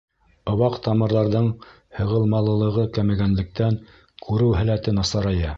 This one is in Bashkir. Ваҡ тамырҙарҙың һығылмалылығы кәмегәнлектән, күреү һәләте насарая.